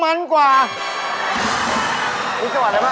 เป็นไง